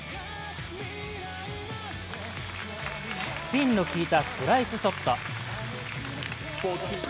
スピンの効いたスライスショット。